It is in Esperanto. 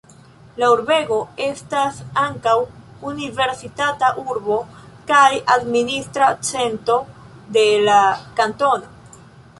La urbego estas ankaŭ universitata urbo kaj administra cento de la kantono.